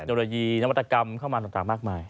โลยีนวัตกรรมเข้ามาต่างมากมาย